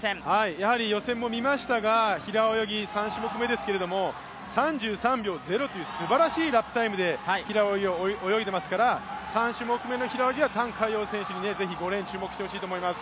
やはり予選も見ましたが、平泳ぎ、３種目めですけど、３３秒０というすばらしいラップタイムで平泳ぎを泳いでますから３種目目の平泳ぎは覃海洋選手に注目してほしいと思います。